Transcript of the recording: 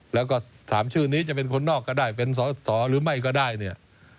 แล้วก็ถามชื่อนี้จะเป็นคนนอกก็ได้เป็นสอสอหรือไม่ก็ได้เนี่ย